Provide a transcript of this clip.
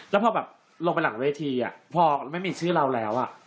แล้วพอแบบลงไปหลังเวทีพอไม่มีชื่อเราแล้ว